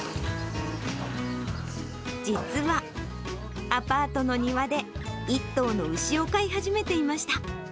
実は、アパートの庭で１頭の牛を飼い始めていました。